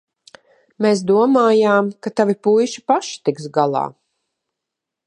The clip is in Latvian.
Mēs domājām, ka tavi puiši paši tiks galā.